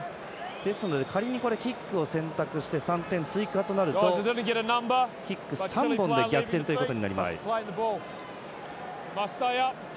ですので、仮にキックを選択して３点追加となるとキック３本で逆転ということになります。